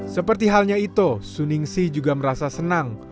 seperti halnya itu suning si juga merasa senang